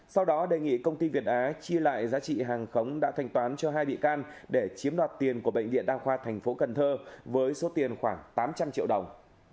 sau đó đề nghị công ty việt á chia lại giá trị hàng khống đã thanh toán cho hai bị can để chiếm đoạt tiền của bệnh viện đa khoa thành phố cần thơ với số tiền khoảng tám trăm linh triệu đồng